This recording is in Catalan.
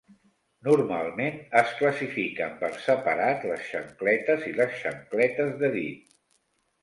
Normalment, es classifiquen per separat les xancletes i les xancletes de dit.